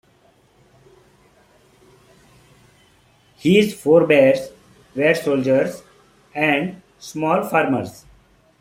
His forebears were soldiers and small farmers.